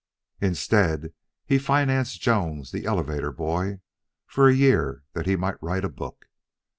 Instead, he financed Jones, the elevator boy, for a year that he might write a book.